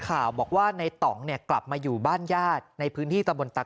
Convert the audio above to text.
ข่าวบอกว่าในต่องเนี่ยกลับมาอยู่บ้านญาติในพื้นที่ตะบนตาก